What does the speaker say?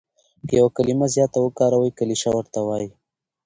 که یو کلیمه زیاته وکاروې کلیشه ورته وايي.